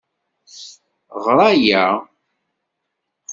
Ɣer aya.